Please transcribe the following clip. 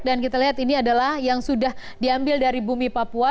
dan kita lihat ini adalah yang sudah diambil dari bumi papua